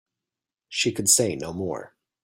She could say no more.